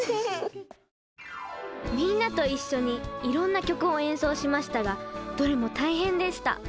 みんなと一緒にいろんな曲を演奏しましたがどれも大変でした。